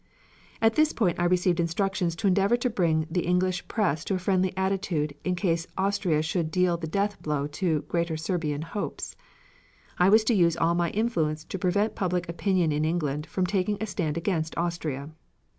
At this point I received instructions to endeavor to bring the English press to a friendly attitude in case Austria should deal the death blow to "Greater Serbian" hopes. I was to use all my influence to prevent public opinion in England from taking a stand against Austria.